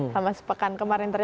sama sepekan kemarin